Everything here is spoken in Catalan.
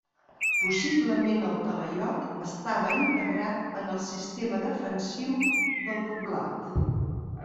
Possiblement el talaiot estava integrat en el sistema defensiu del poblat.